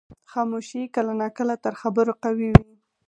خاموشي کله ناکله تر خبرو قوي وي.